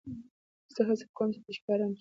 زه هڅه کوم چې د شپې ارام چاپېریال ولرم.